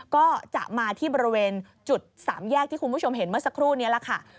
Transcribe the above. ก็จะมาที่บริเวณจุดสามแยกที่คุณผู้ชมเห็นเมื่อสักครู่นี้แหละค่ะ